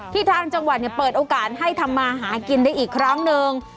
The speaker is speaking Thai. ทางจังหวัดเปิดโอกาสให้ทำมาหากินได้อีกครั้งหนึ่ง